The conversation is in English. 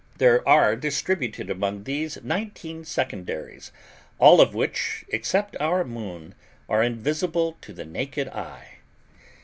There are distributed among these, nineteen secondaries, all of which, except our Moon, are invisible to the naked eye.